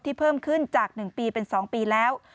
เพิ่มขึ้นจาก๑ปีเป็น๒ปีแล้ว